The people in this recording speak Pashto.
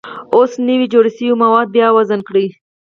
اوس نوي جوړ شوي مواد بیا وزن کړئ.